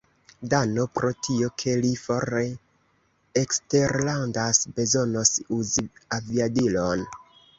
Dano, pro tio ke li fore eksterlandas, bezonos uzi aviadilon.